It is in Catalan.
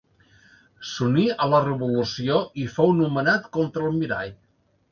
S'uní a la Revolució i fou nomenat contraalmirall.